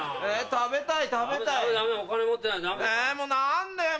食べたい。